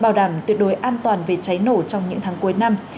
làm việc cháy nổ trong những tháng cuối năm